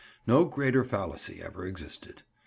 No greater fallacy ever existed.